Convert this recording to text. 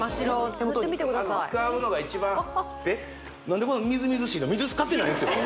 やってみてください使うのが一番何でこんなみずみずしいの？水使ってないんですよね・